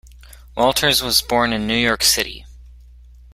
Walters was born in New York City.